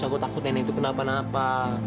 aku takut nenek itu kenapa napa